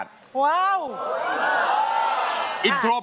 ร้องได้